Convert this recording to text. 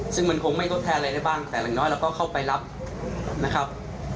ซึ่งมันคงไม่ทดแทนอะไรได้บ้างแต่อย่างน้อยเราก็เข้าไปรับนะครับ